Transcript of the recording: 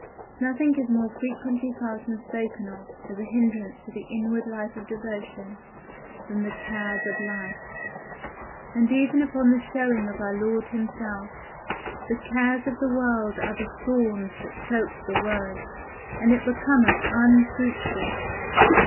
Nothing is more frequently felt and spoken of, as a hinderance to the inward life of devotion, than the "cares of life;" and even upon the showing of our Lord himself, the cares of the world are the thorns that choke the word, and it becometh unfruitful.